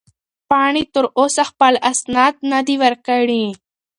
پاڼې تر اوسه خپل اسناد نه دي ورکړي.